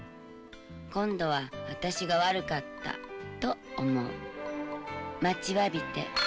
「今度は私が悪かったと思う」「待ちわびて」